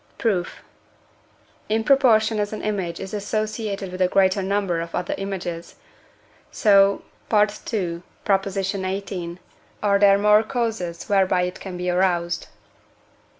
Proof. In proportion as an image is associated with a greater number of other images, so (II. xviii.) are there more causes whereby it can be aroused.